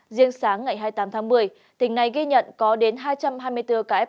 riêng sáng ngày hai mươi tám tháng một mươi tỉnh này ghi nhận có đến hai trăm hai mươi bốn cái